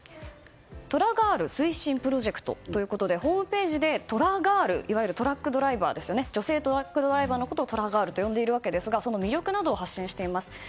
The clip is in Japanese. トラガール推進プロジェクトということでホームページでトラガール、いわゆる女性トラックドライバーのことをトラガールと呼んでいるわけですがその魅力を発信しています。